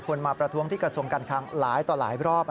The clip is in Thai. มาประท้วงที่กระทรวงการคลังหลายต่อหลายรอบ